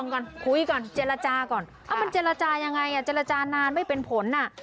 ก่อนเจรจาก่อนอ้าวมันเจรจายังไงอ่ะเจรจานานไม่เป็นผลอ่ะ